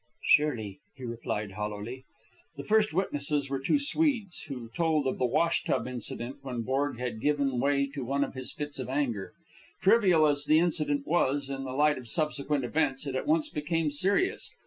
"Surely," he replied, hollowly. The first witnesses were two Swedes, who told of the wash tub incident, when Borg had given way to one of his fits of anger. Trivial as the incident was, in the light of subsequent events it at once became serious.